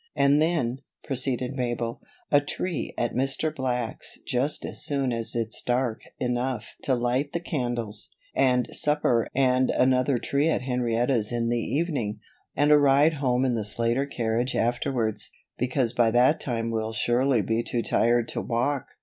"And then," proceeded Mabel, "a tree at Mr. Black's just as soon as it's dark enough to light the candles, and supper and another tree at Henrietta's in the evening, and a ride home in the Slater carriage afterwards, because by that time we'll surely be too tired to walk."